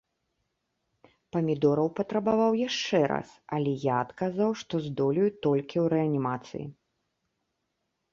Памідораў патрабаваў яшчэ раз, але я адказаў, што здолею толькі ў рэанімацыі.